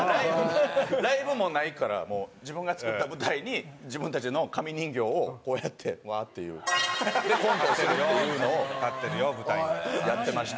ライブもないからもう自分が作った舞台に自分たちの紙人形をこうやってワーッていう。でコントをするっていうのをやってました。